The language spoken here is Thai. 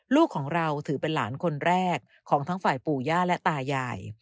ลูกของเราถือเป็นหลานคนแรกของทั้งฝ่ายปู่ย่าและตายาย